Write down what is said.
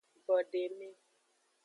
Gbodeme.